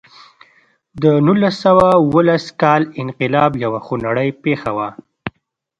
د نولس سوه اوولس کال انقلاب یوه خونړۍ پېښه وه.